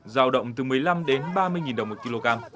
giao động từ một mươi năm đến ba mươi đồng